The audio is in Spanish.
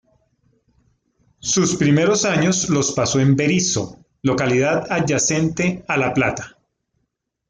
Sus primeros años los pasó en Berisso, localidad adyacente a La Plata.